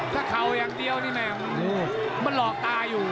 ถ้าเข่าอย่างเดียวนี่แม่มันหลอกตาอยู่